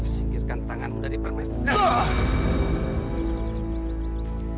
singkirkan tanganmu dari permintaan